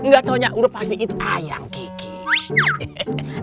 gak taunya udah pasti itu ayam kiki